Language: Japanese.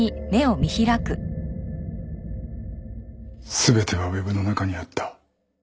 全てはウェブの中にあった。